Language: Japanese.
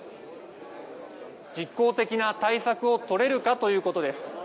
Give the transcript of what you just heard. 実効的な対策を取れるかということです。